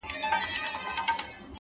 o همدا اوس وايم درته ـ